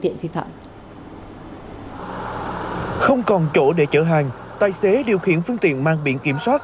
tiện phi phạm không còn chỗ để chở hàng tài xế điều khiển phương tiện mang biện kiểm soát